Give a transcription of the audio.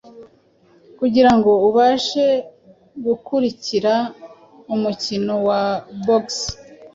kugira ngo abashe gukurikira umukino wa Boxe